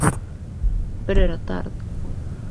Pero era tarde.